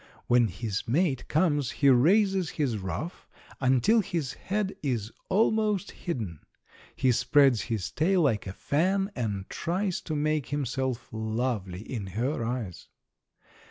When his mate comes he raises his ruff until his head is almost hidden. He spreads his tail like a fan, and tries to make himself lovely in her eyes.